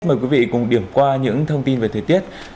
mời quý vị cùng điểm qua những thông tin về thời tiết